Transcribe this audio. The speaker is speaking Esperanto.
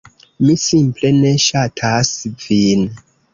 Mi simple ne ŝatas vin.